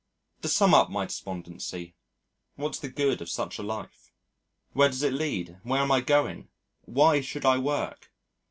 To sum up my despondency, what's the good of such a life? Where does it lead? Where am I going? Why should I work?